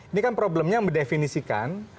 ini kan problemnya mendefinisikan